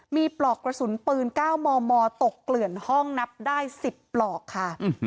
มีปลอกกระสุนปืน๙มมตกเกลื่อนห้องนับได้๑๐ปลอกค่ะ